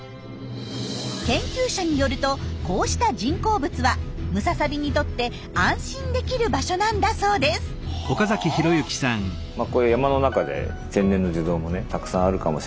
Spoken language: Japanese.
研究者によるとこうした人工物はムササビにとって安心できる場所なんだそうです。はあ？